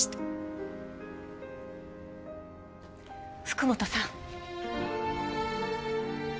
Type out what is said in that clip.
福元さん。